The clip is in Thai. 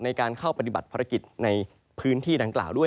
ในการเข้าปฏิบัติภารกิจในพื้นที่ดังกล่าวด้วย